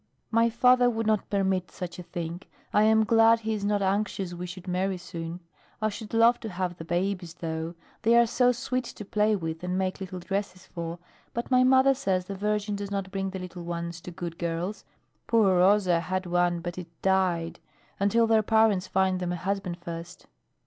"My father would not permit such a thing. I am glad he is not anxious we should marry soon. I should love to have the babies, though; they are so sweet to play with and make little dresses for. But my mother says the Virgin does not bring the little ones to good girls poor Rosa had one but it died until their parents find them a husband first.